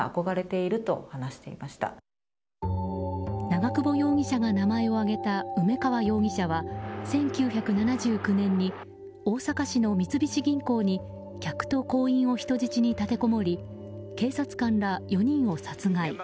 長久保容疑者が名前を挙げた梅川容疑者は１９７９年に大阪市の三菱銀行に客と行員を人質に立てこもり警察官ら４人を殺害。